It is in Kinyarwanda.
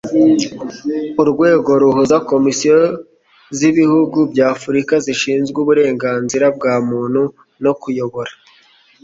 urwego ruhuza komisiyo z' ibihugu by' afurika zishinzwe uburenganzira bwa muntu no kuyobora